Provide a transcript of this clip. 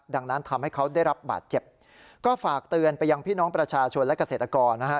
ดังนั้นทำให้เขาได้รับบาดเจ็บก็ฝากเตือนไปยังพี่น้องประชาชนและเกษตรกรนะฮะ